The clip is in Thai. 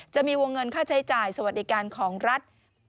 จะมีวงเงินค่าใช้จ่ายสวัสดิการของรัฐ